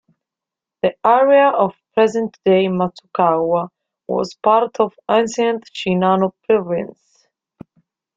The area of present-day Matsukawa was part of ancient Shinano Province.